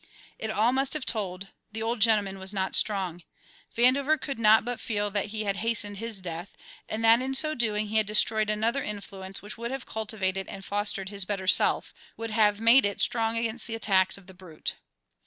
It all must have told; the Old Gentleman was not strong; Vandover could not but feel that he had hastened his death, and that in so doing he had destroyed another influence which would have cultivated and fostered his better self, would have made it strong against the attacks of the brute.